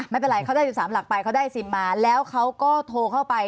ไม่เป็นไรเขาได้๑๓หลักไปเขาได้ซิมมาแล้วเขาก็โทรเข้าไป